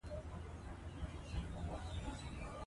دځنګل حاصلات د افغانستان د فرهنګي فستیوالونو برخه ده.